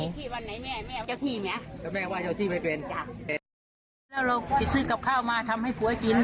เราสื่นกับข้าวมาทำให้ผัวกิน